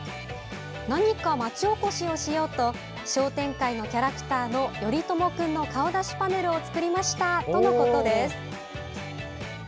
何か、町おこしをしようと商店会のキャラクターのヨリトモくんの顔出しパネルを作りましたとのことです。